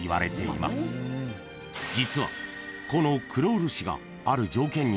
［実はこの］